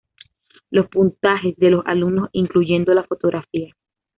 Los puntajes de los alumnos, incluyendo la fotografía.